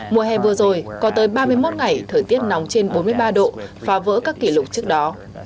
mùa hè vừa rồi có tới ba mươi một ngày thời tiết nóng trên bốn mươi ba độ phá vỡ các kỷ lục trước đó